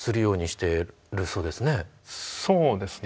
そうですね。